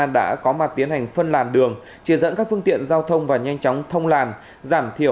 đã có mặt tiến hành phân lại